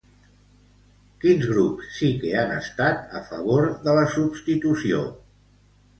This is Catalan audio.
Quins grups sí que han estat a favor de la substitució?